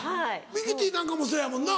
ミキティなんかもそうやもんな。